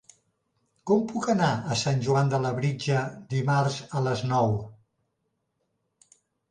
Com puc anar a Sant Joan de Labritja dimarts a les nou?